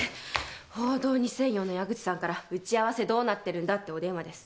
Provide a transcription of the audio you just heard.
『報道２００４』の矢口さんから「打ち合わせどうなってるんだ」ってお電話です。